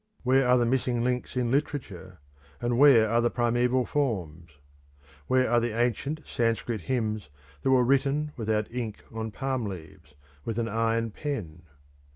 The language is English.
Where are the missing links in literature, and where are the primeval forms? Where are the ancient Sanskrit hymns that were written without ink on palm leaves with an iron pen?